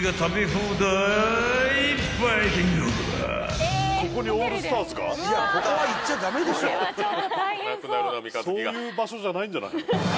そういう場所じゃないんじゃないの？